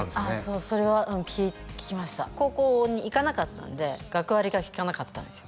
そうそれは聞きました高校に行かなかったんで学割がきかなかったんですよ